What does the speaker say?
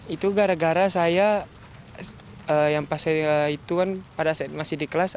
itu gara gara saya yang pas itu kan pada saat masih di kelas